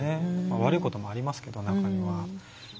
悪いこともありますけど、中には。